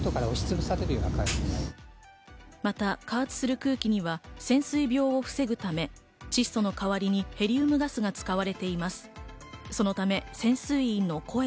また、加圧する空気には潜水病を防ぐため、窒素の代わりにヘリウムガスが使われています。